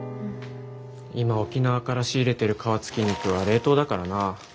今沖縄から仕入れてる皮付き肉は冷凍だからな。